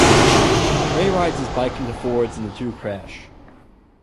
Trey rides his bike into Ford's and the two crash.